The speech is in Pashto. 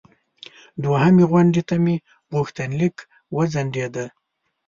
دوهمې غونډې ته مې غوښتنلیک وځنډیده.